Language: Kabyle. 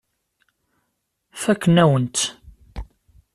Fakken-awen-tt.